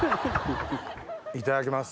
いただきます。